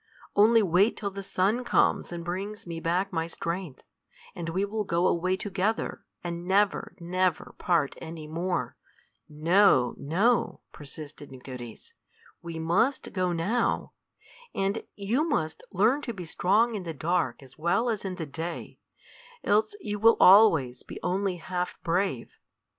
"Only wait till the sun comes and brings me back my strength, and we will go away together, and never, never part any more." "No, no," persisted Nycteris; "we must go now. And you must learn to be strong in the dark as well as in the day, else you will always be only half brave.